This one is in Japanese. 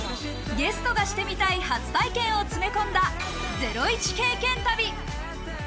ゲストがしてみたい初体験を詰め込んだゼロイチ経験旅。